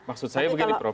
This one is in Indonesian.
maksud saya begini prof